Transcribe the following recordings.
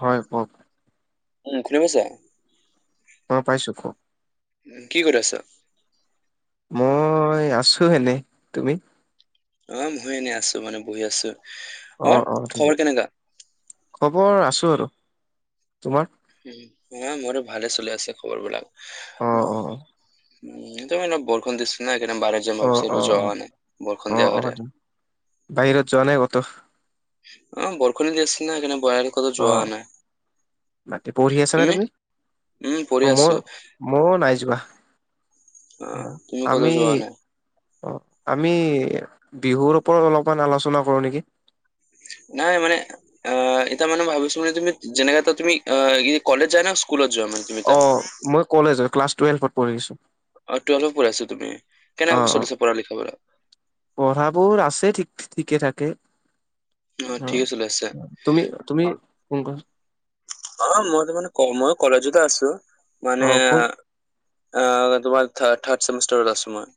হয় ক'ক? উ খুনি পাইছা? অ পাইছো, ক'ক। উ কি কৰি আছা? মই আছো এনে, তুমি? অ মই এনে আছো মানে বহি আছো, অ খবৰ কেনেকা? খবৰ আছো আৰু, তোমাৰ? উ মোৰো ভালে চলে আছে খবৰ বিলাক। অ উম অ সেইটো মানে বৰষূণ দিছে ন সেইকাৰণে বাহিৰত যাম অ অ ভাবিছিলোঁ যোৱা হোৱা নাই, অ বৰষূণ দিয়া অ অ কাৰণে। বাহিৰত যোৱা নাই কতো? অ বৰষুণ দি আছিল ন, সেইকাৰণে [unintelligible] কতো অ যোৱা নাই, বাকী পঢ়ি আছা নে তুমি? উম পঢ়ি আছো। মইয় নাই যোৱা, অ', তুমি ক'তো আমি যোৱা হোৱা নাই? অ' আমি বিহুৰ ওপৰত অলপমান আলোচনা কৰোঁ নেকি। নাই মানে এ এতিয়া মানে ভাবিছো মানে তুমি যেনেকে এ তুমি, কলেজ যোৱা নে স্কুলত যোৱা মানে তুমি? অ [unintelligible] মই কলেজৰ, ক্লাছ টুৱেল্ভত পঢ়িছো। অ টুৱেলভ পঢ় আছো তুমি, কেনেকৈ অ চলি আছে পঢ়া লিখা পৰা? পঢ়াবোৰ আছে ঠিক ঠিকে থাকে। অ ঠিকে চলি আছে। তুমি তুমি অ', কোন কলেজ। অ মই তো মানে ক মই কলেজত আছো অ মানে। কোন অ তোমাৰ থৰ্ড চেমিষ্টাৰত আছো মই।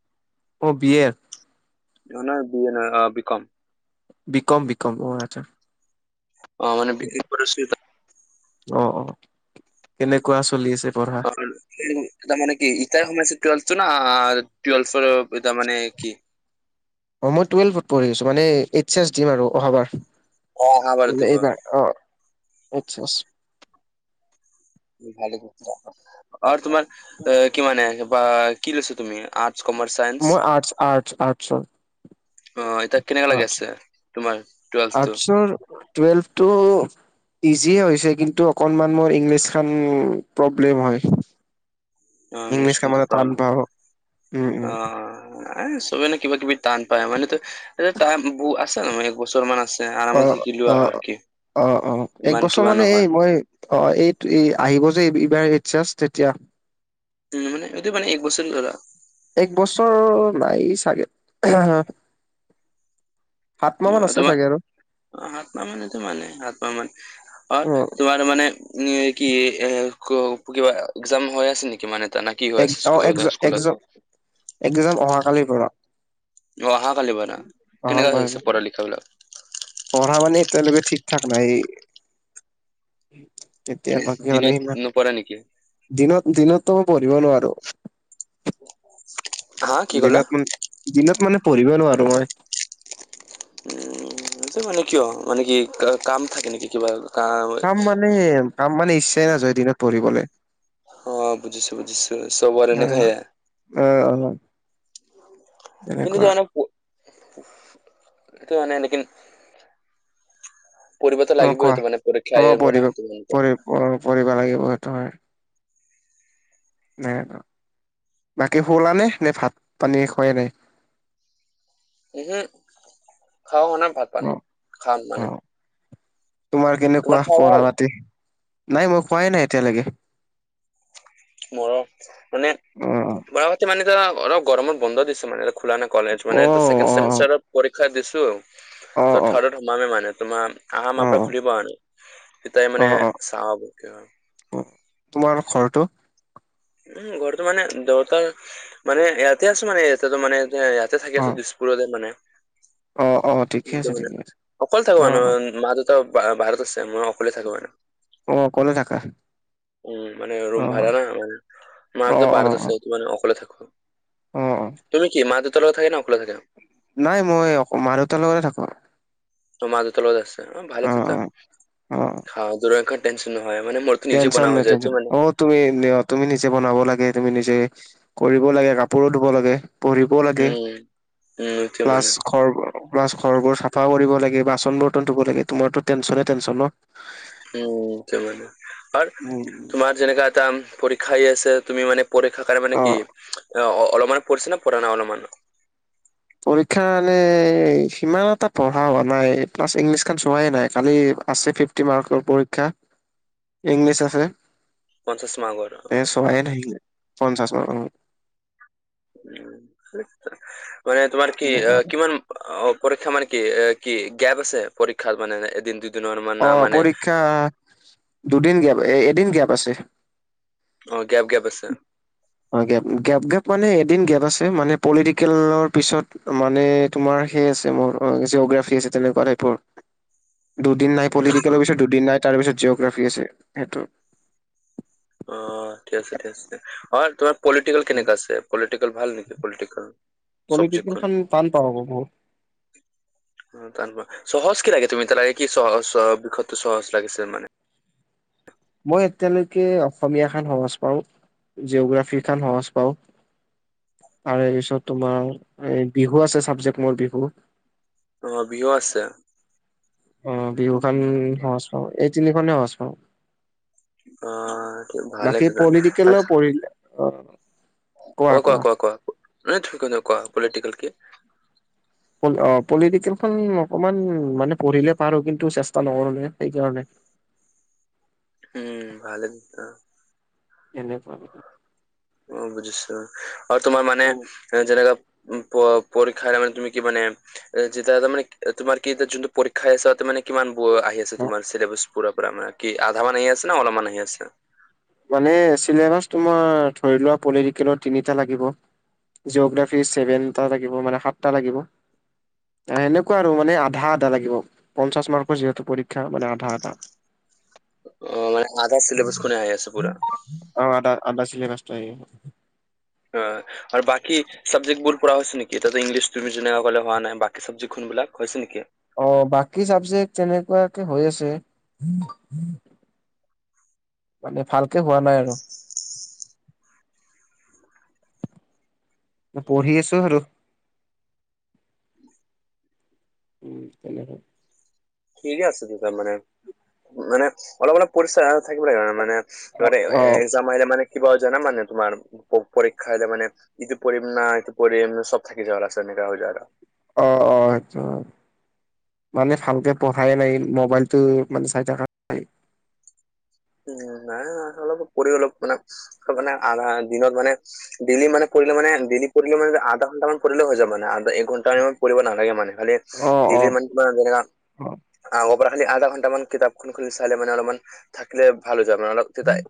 অ বি এ, নহয় নহয় অ B com, B com B com অ আচ্ছা। অ মানে বিক্ৰী কৰিছিলোঁ ত, অ অ কেনেকুৱা চলি আছে। পঢ়া? [unintelligible] এটা মানে কি ইটা সময় কমাইছো টোৱেলভ টো ন আ টোৱেলভ এতিয়া মানে কি। অ মই টুৱেলভত পঢ়ি আছো মানে এইচ এছ দিম আৰু অহাবাৰ অ', অহাবাৰত মানে দিব এইবাৰ। অ এইচ এছ, ভাল আৰু তোমাৰ কি মানে বা কি লৈছা তুমি আ কমাৰ্চ চাইনঞ্চ মই আৰ্টছ আৰ্টছ অ, কেনেকা লাগি আছে তোমাৰ টুৱেলভটো, কোন, টুৱেলভ টো, ইজিয়ে হৈছে কিন্তু অকণমান মোৰ ইংলিছ খান প্ৰব্লেম হয়। অ', ইটছ ইংলিছ কামান টান পাও উম, এ চবে ন কিবা কিবি টান পায় মানতো এ বু আছে ন মান এক বছৰ মান আছে। অ আৰামত শিকি লোৱা অ অ আৰু কি অ অ এক ইমান বছৰ কিবা মানে এই নহয় মই, অ এই আহিব যে এইবাৰ ইছ আছ তেতিয়া। উম এটো মানেটো মানে এক বছৰ ধৰা। এক বছৰ নাই চাগে আ হা হা। অ আছে তোমাৰ চাগে আৰু অ হাত্মা মান তোমানে হাত্মা মান অ তুমাৰ। মানে কি এ কিবা এক্সাম হৈ আছে নেকি মানে। এটা না কি হৈ এক আছে অ এক স্কু- স্কুলত একজন এক্সজাম অহাকালিৰ পৰা। অ অহা কালি পৰা অহাল কেনেকা প চলি আছে পঢ়া লিখা বিলাক, পঢ়া মানে টোৱেভ ঠিক ঠাক নাইয়েই। এতিয়া এনে বাকী মানে দিনত সিমান নপঢ়া নেকি দিনত দিনতো পঢ়িব নোৱাৰো। হা কি ক'লা দিনত মান দিনত মানে পঢ়িব নোৱাৰো মই, উম হেটো মানে কিয় মানে কি কাম থাকে নেকি কিবা কা, কাম মানে কাম মানে ইচ্ছাই নাযায়। দিনত পঢ়িবলে অ বুজিছো বুজিছো চবৰে অ এনে খাই, অ কিন্তু যে তেনেকুৱা [unintelligible] অ লাগিবই কোৱা তো মানে পৰীক্ষা অ আহিব না পঢ়িব তোমালোকৰ পঢ়ি অ পঢ়িব লাগিব সেইটো হয়। নাই বাকী শুলা নে নে ভাত পানী খুৱাই নাই। উম হুম খোৱা হোৱা নাই মানে ভাত অ পানী খাম অ মানে। তোমাৰ কেনেকুৱা খোৱা পঢ়া হ'ল ৰাতি নাই মই খোৱাই নাই এতিয়ালৈকে। মৰ মানে অ বৰা পাতি মানে ধৰা অলপ গৰমত বন্ধ দিছে মানে খোলা ন। কলেজ অ মানে এতো ছেকেণ্ড অ ছেমিষ্টাৰত পৰীক্ষা অ অ দিছো অ থাৰডত সোমাম মানে তোমাৰ। আহা অ আমাৰ পৰা খুলি পোৱা নাই স তাই অ মানে অ অ চাব। তোমাৰ ঘৰটো। উম ঘৰটো মানে দেউতাৰ মানে ইয়াতে আছো মানে ইয়াতে মানে ইয়াতে থাকি অ আছো। পুৰলৈ মানে। অ অ। ঠিকে এইটো আছে মানে ঠিকে আছে অকলে থাকো অ অ মা দেউতা বাহিৰত আছে মই অকলে থাকো মানে। অ অকলে। থাকা উম মানে অ ৰুম ভাড়া ন মানে অ মটো অ বাৰত অ চ- মানে অকলে থাকো, অ অ তুমি কি মা দেউতা লগত থাকা না অকলে থাকা। নাই মই অ মা দেউতাৰ লগতে থাকো। ত মা দেউতা লগত আছা অ ভালে থাকা অ অ টেনচন নামাৰিবা মানে ম। টেনশ্যন নাই অ। তুমি তুমি নিজে বনাব লাগে তুমি নিজে কৰিব লাগে কাপোৰো ধুব লাগে। পঢ়িবও লাগে উম উম এইটোৱে মানে প্লাছ- ঘৰ বাছ ঘৰ বোৰ চাফা কৰিব লাগে বাচন বৰ্তন ধুব লাগে তোমাৰ তো টেনশ্যনে টেনশ্যন ন। [inaudible] উম মানে আৰু উম তোমাৰ যেনেকা এটা পৰীক্ষাই আছে তুমি মানে। প্ৰদেখা কাৰ মনে অ কি? অলপমানো পঢ়িছে না পঢ়া নাই অলপমানো? পৰীক্ষা মানে সিমান এটা পঢ়া হোৱা নাই প্লাছ ইংলিছ খান চোৱাই নাই কালি আছে ফিফ। তি মাৰ্কৰ পৰীক্ষা ইংলিছ আছে। পঞ্চাশ মাৰ্কৰ এ চোৱাই থাকিলে ন ন মানত। উম মানে তোমাৰ কি তেনেকুৱা কিমান? অ পৰীক্ষা মানে কি এ কি গেপ আছে পৰীক্ষাৰ মানে এদিন দুদিন। অ পৰীক্ষা দুদিন গেপ এ এদিন গেপ আছে। অঁ তেওঁ গেপ গেপ আছে। অ গেপ গেপ গেপ মানে এদিন গেপ আছে মানে পলিটিকেলৰ পিছত মানে। তোমাৰ সেই আছে ম জিয়গ্ৰ্যাফী আছে তেনেকুৱা চাইটৰ দুদিন। নাই উম। পলিটিকেলৰ পিছত দুদিন নাই তাৰপিছত জি'গ্ৰাফী আছে সেইটো। অ ঠিক আছে ঠিক আছে অ তোমাৰ পলিটিকেল কেনেকা আছে পলিটিকেল ভাল নেকি পলিটিকেল। পলিটিকেল চবজেক্টখন খন টান পাব পাৰ। উ তাৰ সহজ কি লাগে তুমি তাৰ লাগে কি সহ বিষয়টো সহজ লাগিছে মানে। মই এতিয়ালৈকে অসমীয়া খন সহজ পাওঁ জিঅগ্ৰাফি খন সহজ পাওঁ। তাৰে পিছত তোমাৰ বিহু আছে চাবজেক্ট মোৰ বিহু। অ' বিহু আছে। অ' বিহু খন উম, সহজ পাওঁ এই তিনিখনেই সহজ পাওঁ। অঁ ভালে বাকী আছে ভাল পলিটিকেলো আৰু। পঢ়িলে অ অঁ কোৱা কোৱা কোৱা কোৱা পলিটিকেল কি। অঁ পলিটিকেলখন অকমান মানে পঢ়িলে পাৰো কিন্তু চেষ্টা নকৰোনে সেইকাৰণে। উম ভালে। এনেকুৱা। অ বুজিছো। আৰু তোমাৰ মানে অ যেনেকা প পৰীক্ষা মানে তুমি কি মানে। যেতিয়াটা তাৰমানে তোমাৰ কি এতিয়া যোনটো পৰীক্ষা আছাতে মানে। কিমান ব আহি আছে তোমাৰ চিলেবাছ পুৰা পৰা মানে কি আধা মান আহি আছে ন অলপমান আহি আছে। মানে চিলেবাচ তোমাৰ ধৰি লোৱা পলিটিকেলৰ তিনিটা লাগিব। জিঅ'গ্ৰাফি চেভেন টা থাকিব মানে সাত লাগিব। এনেকুৱা আৰু মানে আধা আধা লাগিব। পঞ্চাছ মাৰ্কৰ যিহেতু পৰীক্ষা মান আধা আধা। অ 'মানে আধা চিলবছখনে আহী আছে পুৰা। অঁ' আধা আধা চিলবছটো। অঁ আৰু বাকী চাবজেক্ট বোৰ পৰা হৈছে নেকি তাতে ইংলিছ তুমি যেনেকুৱ ক'লে হোৱা নাই বাকী চাবজেক্ট খোনবাক হৈছে নেকি। অ' বাকী চাবজেক্ট তেনেকুৱাকে হৈ আছে। মানে ভালকে হোৱা নাই আৰু। পঢ়ি আছো আৰু। উ তেনে আৰু। পঢ়ি আছা তাৰ মানে মানে অলপ অলপ পৰিচয় থাকিব লাগেনে মানে। অ অ একজাম আহিলে, আহে মানে কিবা জান মানে তোমাৰ। পৰীক্ষা আহিলে মানে ইটো পঢ়িম ন সিটো পঢ়িম চব থাকি যাব লাষ্টত এনেকুৱা হৈ যায় আৰু। অ, অ, সেইটো মানে ভালকে পঢ়াইে নাই। মবাইলটো মানে চাই থকা উ, নাই অলপ কৰি অলপ মানে মানে আ দিনত মানে। ডেইলি মানে কৰিলে মানে ডেইলি পঢ়িলে মানে আধা ঘণ্টাামান পৰিলে হৈ যাব না। এ ঘন্টা পৰিব নালাগে মানে খালি অ অ দিল্লীৰ মানে কা যেনে অ আগ খালি আধা ঘণ্টামান কিতাপখন খুলি চাইে মানে অলপমান থাকিলে ভাল হৈ যায় মানে অলপ।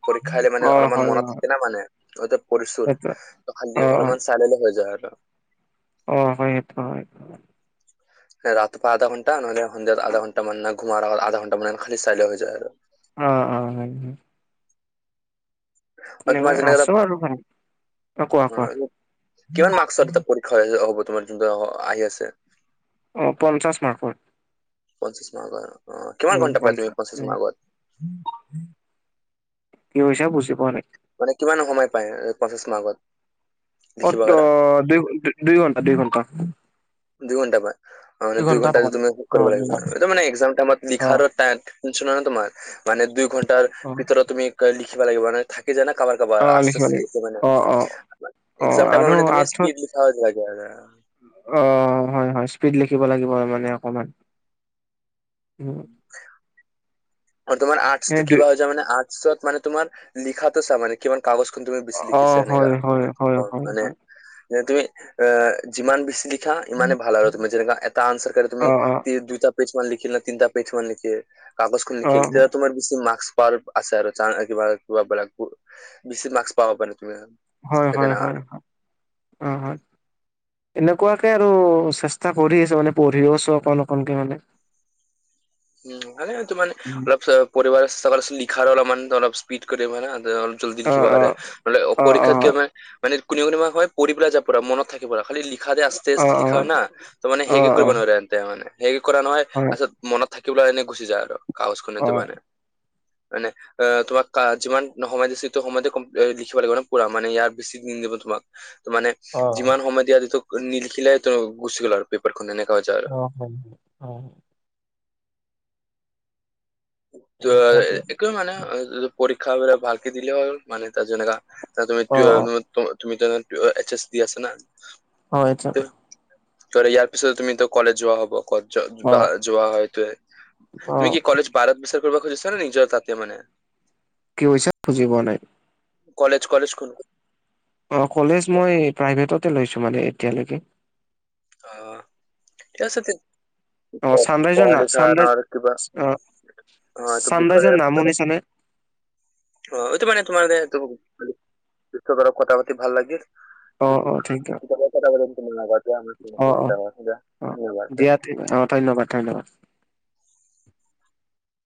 পৰীক্ষা আহিলে মানে অ অলপমান হয় মনত হয় থাকে না মানে পঢ়িছোঁ সেইটো ত খালি অ অ অলপমান। চাইডিলে হৈ যায় আৰু। অ' হয় সেইটো হয়-হয়। ৰাতিপুৱা আধা ঘণ্টা নহলে' সন্ধিয়াত আধা ঘন্টা মানে ঘুমাৰ আগত আধা ঘণ্টা মানে খাল চাইল হৈ যায় আৰু। অ, অ, হয়-হয়। তেনেকৈ তোমাৰ আছো যোনবিলাক আৰু ভাল অ কোৱা কোৱা কিমান মাৰ্কছ পৰীক্ষা হ'ব তোমাৰ যোনটো আহি আছে। অ' পঞ্চাছ মাৰ্কৰ। পঞ্চাছ মাৰ্কৰ। অ কিমান উম, ঘণ্টা পায় তুমি পঞ্চাছ পঞ্চাশ উ মাৰ্কত? কি হৈছে বুজি পোৱা নাই। মানে কিমান সময় পায় পঞ্চাছ মাৰ্কত। অত লিখিব কাৰণে দুই-দুই ঘণ্টা দুই ঘণ্টা, দুই ঘণ্টা পায় মে দুই ঘণ্টা যে তুমি অ কৰিব লাগিব ম একজামৰ টাইমত অ লিখাটো তাত ন তোমাৰ মানে দুই ঘণ্টাৰ অ ভিতৰত তুমি লিখিবা লাগিব মানে, থাকে যানা কাৰাবাৰ অ কাৰাবাৰ লিখিব আস্তে-আস্তে লাগিব লিখছে মানে অ অ অ একজাম টাইমত আৰু মানে তুমি আৰ্থত স্পিড, হা। [unintelligible] অ, হয়-হয়, স্পীড লিখিব লাগিব ত মানে অকমান। উম অ, তোমাৰ আৰ্টছ সেই ত দুই কিবা হৈ। অৰ্চত মানে তোমাৰ লিখাতেছা মান কিমান কাগজখন তুমি। অ লিখিছে এনেকা হয় হয় হয় হয় মানে। হয় যে তুমি আহ, যিমান বেছি লিখা ইমানে ভাল আৰু তুমি যেনো এটা আনচাৰ তুমি। অ অ দুটা পেজ মান লিখিল ন তিনিটা পেজ মান লিখিল কাগজখন অ লিখিল তেতিয়া তোমাৰ বেছি মাৰ্ক্স, পাৰ আছে আৰু কিবা-কিবাক বেছি মাৰ্ক পাব পাৰি তুমি, হয়-হয়-হয় সেইকাৰণে অ, হয়। এনেকুৱাকে আৰু চেষ্টা কৰি আছো মানে পঢ়িও আছো অকণ-অকনকে মানে। উ, মানে তটো মে অলপ চ পৰিবাৰ চ লিখা অলপ মান অলপ। অলপ জল্দি অ লিখিব অ লাগে নহলে অ পৰীক্ষাত কি অ মানে। কোনে-কোনো হয় পাই যাব পৰা মনত থাকিব লাগে খালী লিখা আছে। তেজ অ অ লিখা হয় না ত মানে সে অ অ কৰিব নোৱাৰে তে মানে হে কৰা নহয় হয় আাছত মনত। থাকিব এনে গুচি যায় আৰু কাগজ অ খনেটো মানে-মানে। অ 'তোমাক যিমান সময় দিছে সেইটো সময় লিখিব লাগিব ন পুৰা মানে ইয়াৰ বেছি দিন দিব তোমাক। ত মানে অ যিমান সময় দিয়া তে নিলিখিলে ত গুচি গ'ল আৰু পেপাৰখন এনেকা হৈ যায় আৰু। অ হয় অ', ত তেনেকুৱাকে একোৱে মানে পৰীক্ষা ভালকে দিলে হল, মানে তাৰ যেনেকা। অ অ তুমি-তুমি এছ ইজ দি আছে না। হয়, ত ইয়াৰ পিছত তুমি কলেজ যোৱা হব ক অ যোৱা হয় ত। অ তুমি কি কলেজ বাৰাত বিচাৰ কৰিব খুজিছা নেকি নিজৰ তাতে মানে। কি হৈছে বুজি পোৱা নাই। কলেজ-কলেজ কোন। অ, কলেজ মই প্ৰাইভেটতে লৈছোঁ মানে এতিয়ালৈকে। অ, ঠিকে আছে তেত অ চানৰাইজৰ পঢ়া না লিখা চানৰাইজ নহলে কিবা অ এইটো বিষয়। চানৰাইজৰ নাম শুনিছানে অ', এইটো মানে তোমাৰ [unintelligible] কথা পতি ভাল লাগি। অ অ থেংক ইউ অ অ অ দিয়া [unintelligible] অ', ধন্যবাদ-ধন্যবাদ।